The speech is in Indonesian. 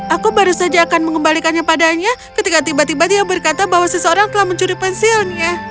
aku baru saja akan mengembalikannya padanya ketika tiba tiba dia berkata bahwa seseorang telah mencuri pensiunnya